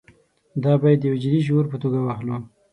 دا باید د یوه جدي شعور په توګه واخلو.